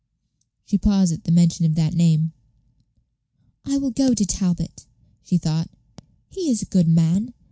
She paused at the mention of that name. "I will go to Talbot," she thought. "He is a good man.